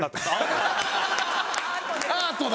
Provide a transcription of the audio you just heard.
アートだ！